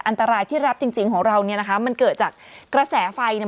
อันตรายที่รับจริงจริงของเราเนี่ยนะคะมันเกิดจากกระแสไฟเนี่ย